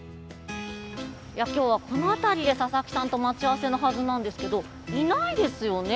今日はこの辺りで佐々木さんと待ち合わせのはずなんですけどいないですよね。